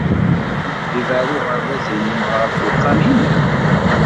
Yebɛed uɣerbaz-nnem ɣef uxxam-nnem?